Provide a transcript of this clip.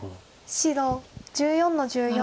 白１４の十四トビ。